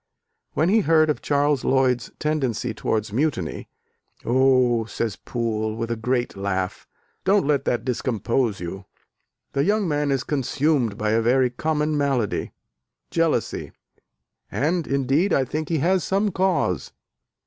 When he heard of Charles Lloyd's tendency towards mutiny, "Oh," says Poole with a great laugh, "don't let that discompose you. The young man is consumed by a very common malady, jealousy. And indeed I think he has some cause."